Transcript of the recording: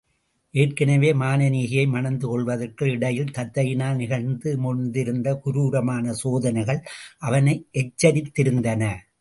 ஏற்கெனவே மானனீகையை மணந்து கொள்வதற்குள் இடையில் தத்தையினால் நிகழ்ந்து முடிந்திருந்த குரூரமான சோதனைகள் அவனை எச்சரித்திருந்தன.